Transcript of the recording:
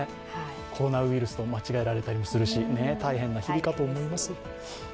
コロナウイルスと間違えられたりしますし、大変な日々かと思います。